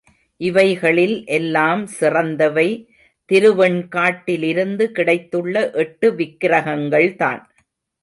இவைகளில் எல்லாம் சிறந்தவை திருவெண்காட்டிலிருந்து கிடைத்துள்ள எட்டு விக்ரகங்கள்தான்.